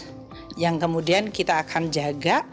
artinya memang ada range yang kemudian kita akan jaga